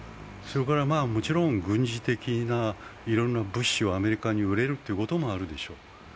それからもちろん軍事的ないろんな物資をアメリカに売れることもあるでしょう。